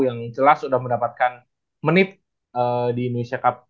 yang jelas sudah mendapatkan menit di indonesia cup